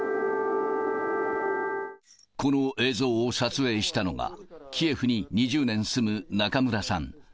この映像を撮影したのが、キエフに２０年住む中村さん。